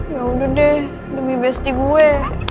ya udah deh demi besti gue